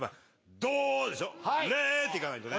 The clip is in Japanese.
っていかないとね。